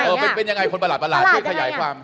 เป็นยังไงคนประหลาดประหลาดที่ขยายความ